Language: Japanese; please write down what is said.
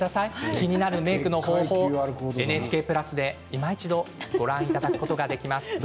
気になるメークの方法はＮＨＫプラスで、いま一度ご覧いただくことができます。